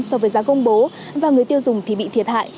so với giá công bố và người tiêu dùng thì bị thiệt hại